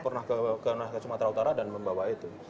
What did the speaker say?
orang jerman pernah ke sumatera utara dan membawa itu